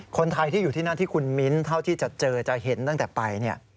คนไทยที่อยู่ที่นั่นที่คุณมิ้นเท่าที่จะเจอจะเห็นตั้งแต่ไป